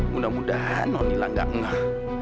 mudah mudahan non ilang gak ngeh